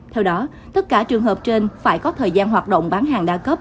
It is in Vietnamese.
theo đó tất cả trường hợp trên phải có thời gian hoạt động bán hàng đa cấp